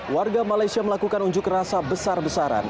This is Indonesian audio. warga malaysia melakukan unjuk rasa besar besaran